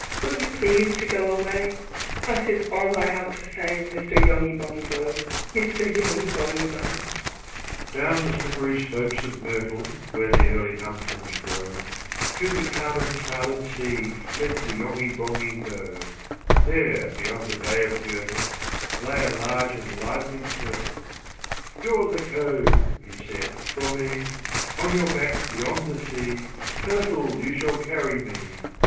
"Will you please to go away? "That is all I have to say "Mr. Yonghy Bonghy Bò, "Mr. Yonghy Bonghy Bò!" VIII. Down the slippery slopes of Myrtle, Where the early pumpkins grow, To the calm and silent sea Fled the Yonghy Bonghy Bò. There beyond the Bay of Gurtle, Lay a large and lively Turtle; "You're the Cove," he said, "for me; "On your back beyond the sea, "Turtle, you shall carry me!"